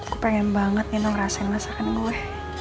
gue pengen banget nih ngerasain masakan gue